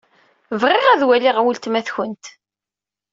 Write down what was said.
Bɣiɣ ad waliɣ weltma-tkent.